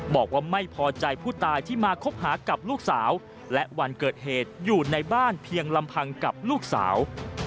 บอกว่าไม่พอใจผู้ตายที่มาคบหากับลูกสาวและวันเกิดเหตุอยู่ในบ้านเพียงลำพังกับลูกสาว